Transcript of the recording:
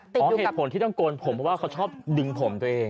เพราะเหตุผลที่ต้องโกนผมเพราะว่าเขาชอบดึงผมตัวเอง